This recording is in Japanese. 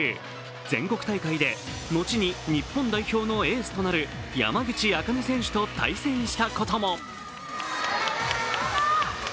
全国大会で後に日本代表のエースとなる山口茜選手と対戦したことも。